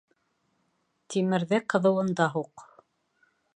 Тимерҙе ҡыҙыуында һуҡ.